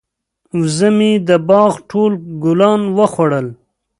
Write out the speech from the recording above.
وزه مې د باغ ټول ګلان وخوړل.